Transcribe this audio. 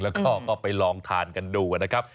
แล้วก็ไปลองทานกันดูนะครับ